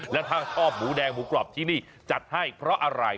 แล้วถ้าชอบหมูแดงหมูกรอบที่นี่จัดให้เพราะอะไร